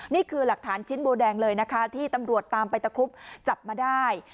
นี่คือหลักฐานชิ้นโบแดงเลยนะคะที่ตำรวจตามไปตะครุบจับมาได้